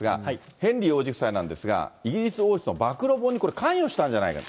ヘンリー王子夫妻なんですが、イギリス王室の暴露本に、これ、関与したんじゃないか。